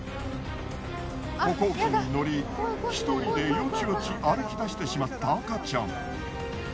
歩行器に乗り一人でヨチヨチ歩き出してしまった赤ちゃん。